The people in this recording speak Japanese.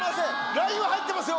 ラインは入ってますよ！